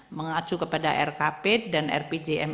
akan maju kepada rkp dan rpjm